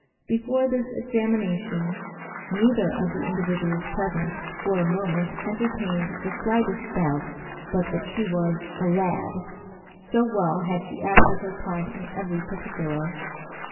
Before this examination, neither of the individuals present for a moment entertained the slightest doubt but that she was a "lad," so well had she acted her part in every particular.